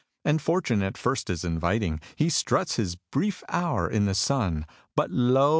And fortune at first is inviting He struts his brief hour in the sun But, lo!